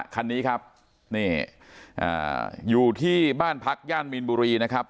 คันนี้ครับนี่อยู่ที่บ้านพักย่านมีนบุรีนะครับ